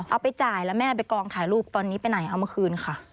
เอาไปจ่ายแล้วแม่ไปกองถ่ายรูปตอนนี้ไปไหนเอามาคืนค่ะ